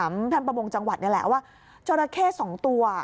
ถามทางประมงจังหวัดเนี้ยแหละว่าจระเข้สองตัว